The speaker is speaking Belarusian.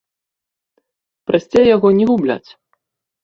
Прасцей яго не губляць.